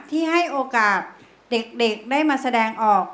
ที่ให้โอกาสเด็กได้มาแสดงออก